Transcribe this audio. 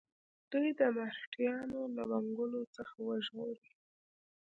دوی د مرهټیانو له منګولو څخه وژغوري.